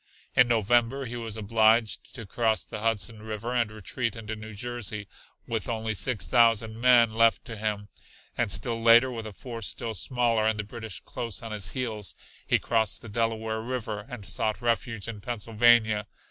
In November he was obliged to cross the Hudson River and retreat into New Jersey with only six thousand men left to him, and still later with a force still smaller and the British close on his heels, he crossed the Delaware River and sought refuge in Pennsylvania.